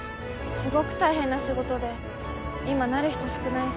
すごぐ大変な仕事で今なる人少ないし。